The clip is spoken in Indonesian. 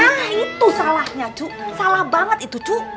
nah itu salahnya cuk salah banget itu cu